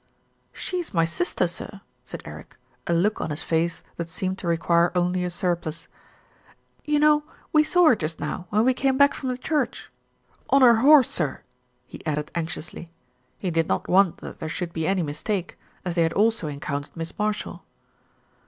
"She's my sister, sir," said Eric, a look on his face that seemed to require only a surplice. "You know we saw her just now when we came back from the church, on her horse, sir," he added anxiously. He did not want that there should be any mistake, as they had also encountered Miss Marshall.